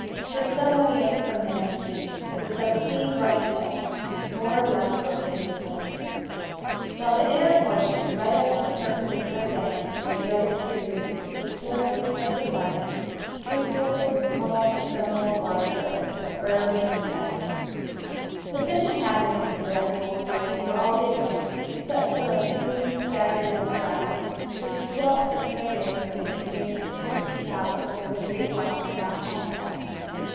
For some way in from the entrance it was of a clean bright sand, more or less broken with stones. While the inner portion, right up to the perpendicular banks and the jutting tree roots, was floored with silted mud, fruitful in the small, ephemeral water growths of herb and insect. The fish inhabiting the delectable pool were all big ones, except for a few scattered young fry which dwelt precariously in the extremest shallows where the big ones could not come at them.